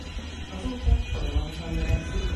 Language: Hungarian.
Azóta folyamatosan növekszik.